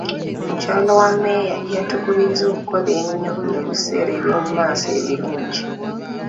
Mukyala wa mmeeya yatukubiriza okukola ennyo ku lw'ebiseera by'omu maaso ebirungi